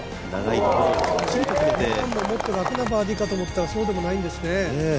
もっと楽なバーディーかと思ったらそうではないんですね。